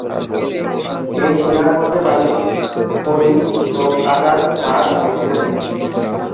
এই শিলার মধ্যে বালি, পলি ও কাদার ভাগ বেশি থাকে।